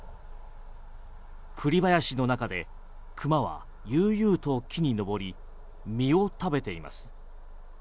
栗林の中で熊は悠々と木に登り実を食べています。